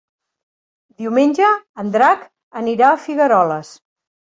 Diumenge en Drac anirà a Figueroles.